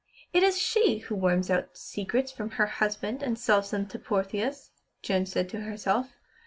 "It is she who worms out secrets from her husband and sells them to Portheous," Joan said to herself.